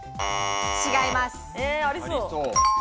違います。